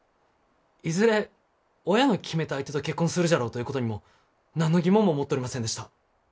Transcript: いずれ親の決めた相手と結婚するじゃろうということにも何の疑問も持っとりませんでした。